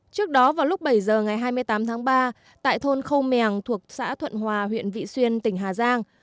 trước đó vào lúc bảy giờ ngày hai mươi tám tháng ba tại thôn khâu mèng thuộc xã thuận hòa huyện vị xuyên tỉnh hà giang